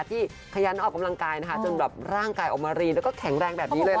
ขยันออกกำลังกายนะคะจนแบบร่างกายออกมารีแล้วก็แข็งแรงแบบนี้เลยค่ะ